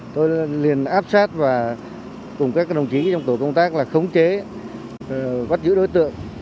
tôi liền áp sát và cùng các đồng chí trong tổ công tác là khống chế bắt giữ đối tượng